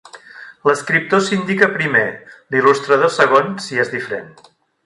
L'escriptor s'indica primer, l'il·lustrador segon si és diferent.